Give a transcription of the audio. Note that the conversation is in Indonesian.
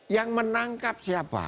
yang menangkap siapa